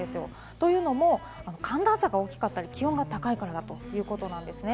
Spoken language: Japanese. というのも、寒暖差が大きかったり、気温が高いからだということです。